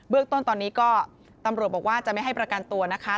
เรื่องต้นตอนนี้ก็ตำรวจบอกว่าจะไม่ให้ประกันตัวนะคะ